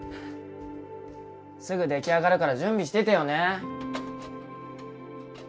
すぐできあがるから準備しててよね